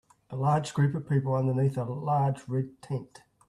A large group of people underneath a large red tent.